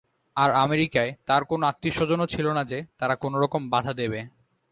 আর আমেরিকায় তাঁর কোনো আত্মীয়স্বজনও ছিল না যে, তারা কোনোরকম বাধা দেবে।